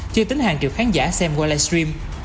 chưa tính hàng triệu khán giả xem qua live stream